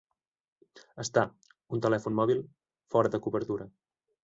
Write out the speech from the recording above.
Estar, un telèfon mòbil, fora de cobertura.